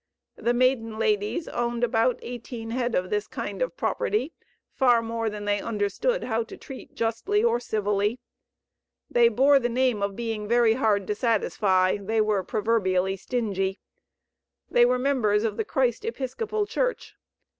The maiden ladies owned about eighteen head of this kind of property, far more than they understood how to treat justly or civilly. They bore the name of being very hard to satisfy. They were proverbially "stingy." They were members of the Christ Episcopal Church.